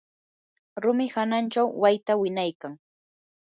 rumi hananchaw wayta winaykan.